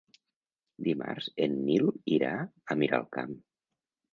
Dimarts en Nil irà a Miralcamp.